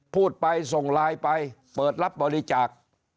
พูดไปส่งไลน์ไปเปิดรับบริจาค